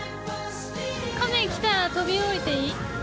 亀来たら飛び降りていい？